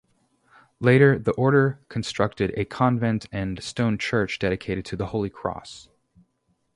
Later, the Order constructed a convent and stone church dedicated to the Holy Cross.